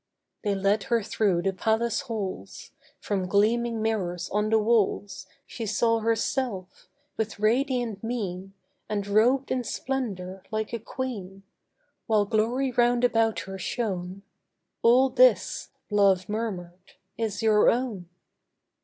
They led her through the Palace halls; From gleaming mirrors on the walls She saw herself, with radiant mien, And robed in splendour like a queen, While glory round about her shone. 'All this,' Love murmured, 'is your own.